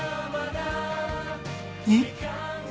「えっ？」